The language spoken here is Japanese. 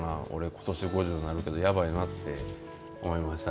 ことし５０になるけどやばいなって思いました。